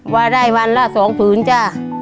ว่าได้วันละ๒ผืนจ้ะ